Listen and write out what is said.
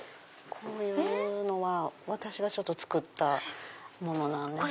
こういうのは私が作ったものなんです。